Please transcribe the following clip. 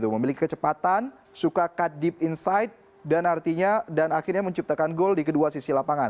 memiliki kecepatan suka cut deep inside dan akhirnya menciptakan gol di kedua sisi lapangan